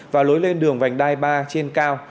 và lối lên đường vành đai ba trên cao